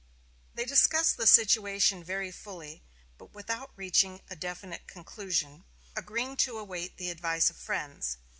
They discussed the situation very fully, but without reaching a definite conclusion, agreeing to await the advice of friends.